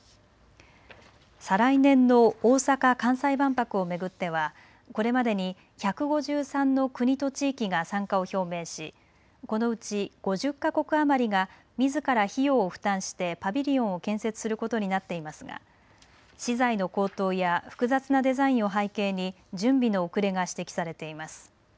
再来年の大阪・関西万博を巡ってはこれまでに１５３の国と地域が参加を表明しこのうち５０か国余りがみずから費用を負担してパビリオンを建設することになっていますが資材の高騰や複雑なデザインを背景に準備の遅れが指摘されています。